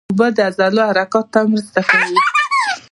اوبه د عضلو حرکت ته مرسته کوي